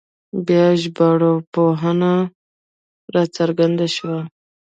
بیا ژبارواپوهنه راڅرګنده شوه